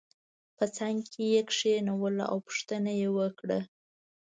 په څنګ کې یې کېنول او پوښتنه یې وکړه.